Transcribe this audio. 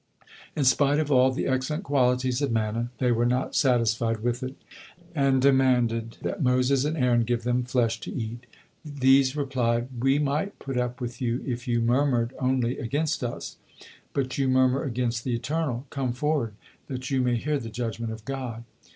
In spite of all the excellent qualities of manna, they were not satisfied with it, and demanded that Moses and Aaron give them flesh to eat. These replied: "We might put up with you if you murmured only against us, but you murmur against the Eternal. Come forward, that you may hear the judgment of God."